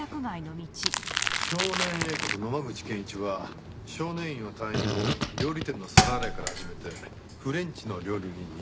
少年Ａこと野間口健一は少年院を退院後料理店の皿洗いから始めてフレンチの料理人に。